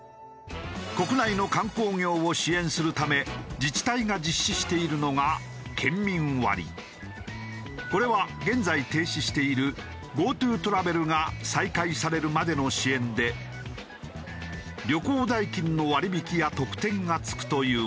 国内の観光業を支援するため自治体が実施しているのがこれは現在停止しているＧｏＴｏトラベルが再開されるまでの支援で旅行代金の割引や特典が付くというもの。